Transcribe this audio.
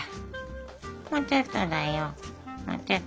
もうちょっとだよもうちょっとだよ。